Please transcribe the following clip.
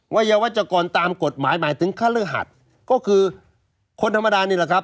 วัยวัชกรตามกฎหมายหมายถึงฆฤหัสก็คือคนธรรมดานี่แหละครับ